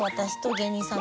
芸人さん